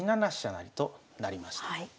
成となりました。